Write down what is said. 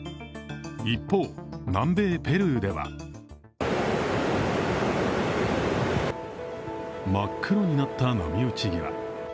一方、南米ペルーでは真っ黒になった波打ち際。